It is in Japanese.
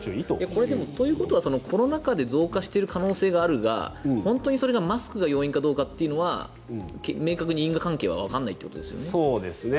これは、ということはコロナ禍で増加している可能性があるが本当にそれがマスクが要因かってことは明確に因果関係はわからないということですよね。